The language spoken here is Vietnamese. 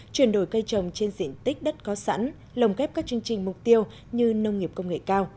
chuyển đổi cây trồng trên diện tích đất có sẵn lồng kép các chương trình mục tiêu như nông nghiệp công nghệ cao